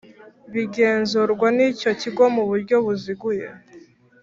Bigenzurwa n icyo kigo mu buryo buziguye